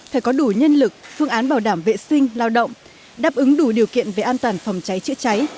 phải có đủ nhân lực phương án bảo đảm vệ sinh lao động đáp ứng đủ điều kiện về an toàn phòng cháy chữa cháy